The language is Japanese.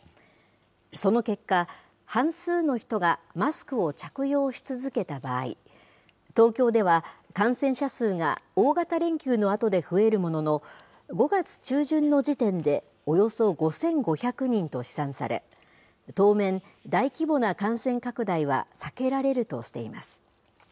その結果、半数の人がマスクを着用し続けた場合、東京では感染者数が大型連休のあとで増えるものの、５月中旬の時点で、およそ５５００人と試算され、当面、大規模な感染拡大は避けられるとしています。